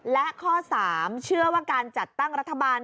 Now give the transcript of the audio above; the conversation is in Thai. และข้อ๓เชื่อว่าการจัดตั้งรัฐบาล